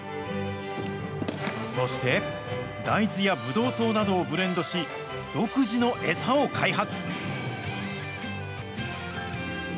そして、大豆やブドウ糖などをブレンドし、独自の餌を開発。